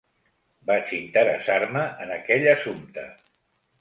Vaig interessar-me en aquell assumpte.